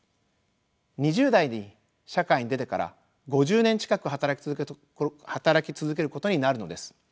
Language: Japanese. ２０代に社会に出てから５０年近く働き続けることになるのです。